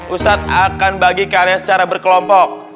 ustad akan bagi kalian secara berkelompok